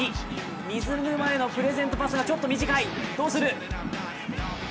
水沼へのプレゼントパスがちょっと短い、どうする！？